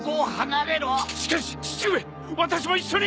しかし父上私も一緒に